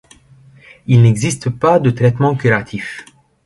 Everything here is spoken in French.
Il n'existe pas de traitement curatif.